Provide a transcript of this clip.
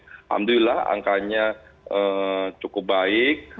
alhamdulillah angkanya cukup baik